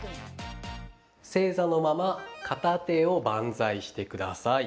正座のまま片手を万歳してください。